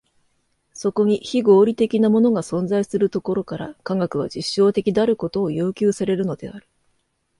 そこに非合理的なものが存在するところから、科学は実証的であることを要求されるのである。